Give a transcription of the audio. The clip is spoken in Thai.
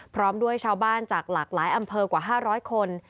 พร้อมด้วยชาวบ้านจากหลากหลายอำเภอกว่า๕๐๐คน